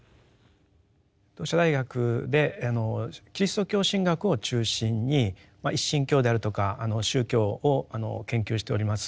同志社大学でキリスト教神学を中心に一神教であるとか宗教を研究しております